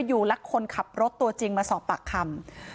อยู่และคนขับรถตัวจริงมาสอบปากคำ